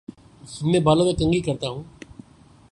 میں بالوں میں کنگھی کرتا ہوں